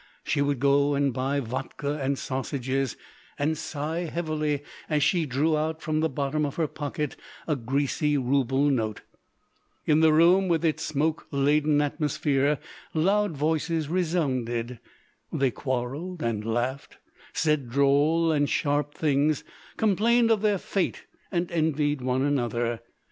She would go and buy vodka and sausages, and sigh heavily as she drew out from the bottom of her pocket a greasy rouble note. In the room with its smoke laden atmosphere loud voices resounded. They quarrelled and laughed, said droll and sharp things, complained of their fate and envied one another.